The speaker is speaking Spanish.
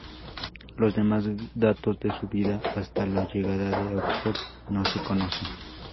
Los demás datos de su vida hasta la llegada a Oxford no se conocen.